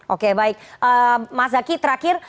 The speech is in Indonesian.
oke baik mas zaky terakhir